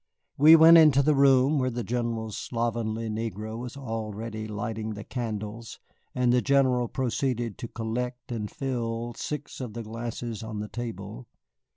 We went into the room, where the General's slovenly negro was already lighting the candles and the General proceeded to collect and fill six of the glasses on the table.